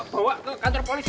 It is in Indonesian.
bawa ke kantor polisi